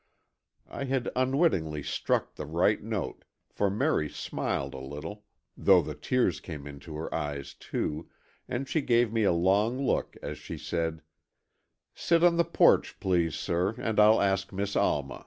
I had unwittingly struck the right note, for Merry smiled a little, though the tears came into her eyes, too, and she gave me a long look as she said, "sit on the porch, please, sir, and I'll ask Miss Alma."